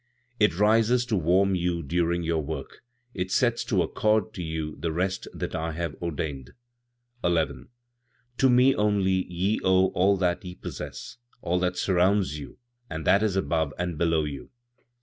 "It rises to warm you during your work; it sets to accord to you the rest that I have ordained. 11. "To me only ye owe all that ye possess, all that surrounds you and that is above and below you.'"